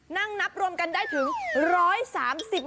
นั่งนับรวมกันได้ถึง๑๓๐